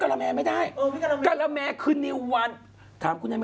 เขาวิ่งตามฉันไปเช้าเย็นกลับไอ้บ้า